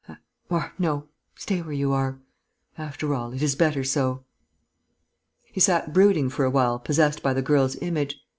"Or no, stay where you are.... After all, it is better so...." He sat brooding for a while, possessed by the girl's image.